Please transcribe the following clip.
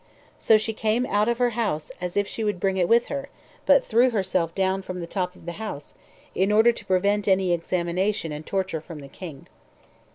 So she came out of her house as if she would bring it with her, but threw herself down from the top of the house, in order to prevent any examination and torture from the king.